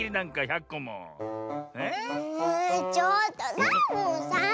ちょっとサボさん！